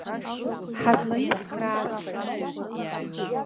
Ҳазлаицхраазеи?